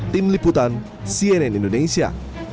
tim liputan cnn indonesia